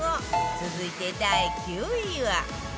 続いて第９位は